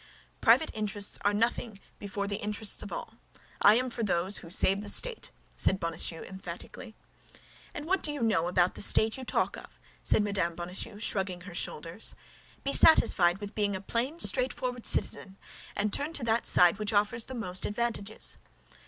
"Private interests are as nothing before the interests of all. I am for those who save the state," said Bonacieux, emphatically. "And what do you know about the state you talk of?" said Mme. Bonacieux, shrugging her shoulders. "Be satisfied with being a plain, straightforward citizen, and turn to that side which offers the most advantages."